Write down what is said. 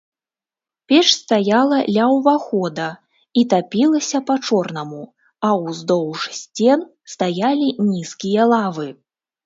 Печ стаяла ля ўвахода і тапілася па-чорнаму, а ўздоўж сцен стаялі нізкія лавы.